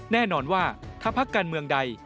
แน่นอนว่าถ้าพักการเมืองใด